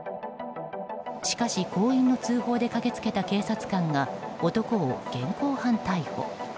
しかし、行員の通報で駆けつけた警察官が男を現行犯逮捕。